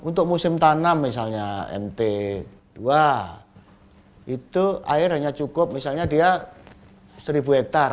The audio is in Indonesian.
untuk musim tanam misalnya mt dua itu air hanya cukup misalnya dia seribu hektare